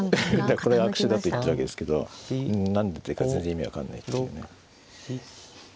これが悪手だと言ってるわけですけど何でか全然意味分かんないというね。